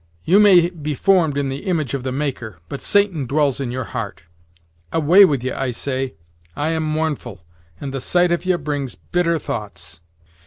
you may be formed in the image of the Maker, but Satan dwells in your heart. Away with ye, I say! I am mournful, and the sight of ye brings bitter thoughts."